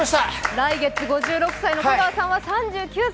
来月５６歳の香川さんは３９歳。